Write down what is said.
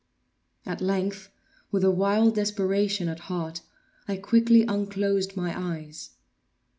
At length, with a wild desperation at heart, I quickly unclosed my eyes.